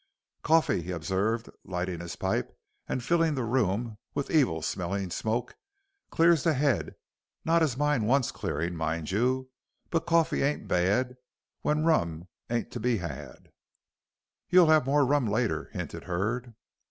"Cawfee," he observed, lighting his pipe, and filling the room with evil smelling smoke, "clears the 'ead, not as mine wants clearing, mind you. But cawfee ain't bad, when rum ain't t' be 'ad." "You'll have more rum later," hinted Hurd.